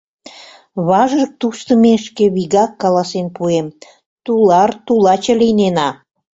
Важык туштымешке, вигак каласен пуэм: тулар-тулаче лийнена...